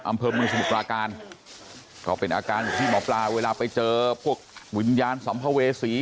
อำเภอเมืองสมุทรปราการก็เป็นอาการอยู่ที่หมอปลาเวลาไปเจอพวกวิญญาณสัมภเวษี